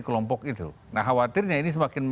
kelompok itu nah khawatirnya ini semakin